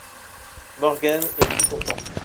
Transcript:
Morgan est tout content.